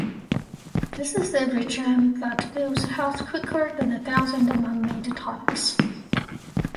This is a regime that builds health quicker than a thousand man-made tonics.